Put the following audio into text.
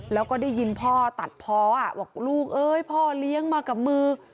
แล้วก็ได้ยินพ่อตัดเพาะบอกลูกเอ้ยพ่อเลี้ยงมากับมือ